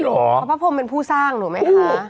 เพราะพระพรมเป็นผู้สร้างถูกไหมคะ